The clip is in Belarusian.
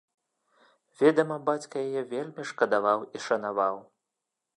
Ведама, бацька яе вельмі шкадаваў і шанаваў.